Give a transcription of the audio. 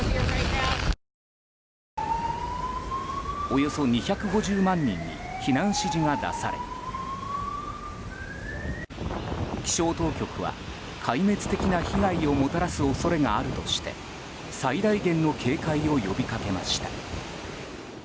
およそ２５０万人に避難指示が出され気象当局は、壊滅的な被害をもたらす恐れがあるとして最大限の警戒を呼びかけました。